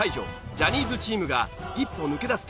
ジャニーズチームが一歩抜け出す展開に。